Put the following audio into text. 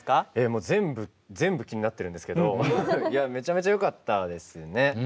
もう全部全部気になってるんですけどめちゃめちゃよかったですね。